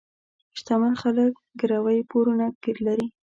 شتمن خلک ګروۍ پورونه لري.